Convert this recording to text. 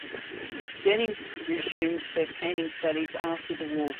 Denning resumed her painting studies after the war.